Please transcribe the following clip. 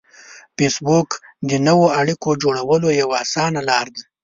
فېسبوک د نوو اړیکو جوړولو یوه اسانه لار ده